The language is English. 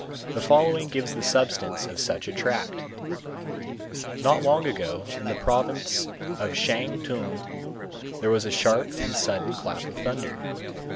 The following gives the substance of such a tract: Not long ago in the province of Shantung, there was a sharp and sudden clap of thunder.